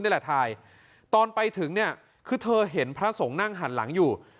นี่แหละถ่ายตอนไปถึงเนี่ยคือเธอเห็นพระสงฆ์นั่งหันหลังอยู่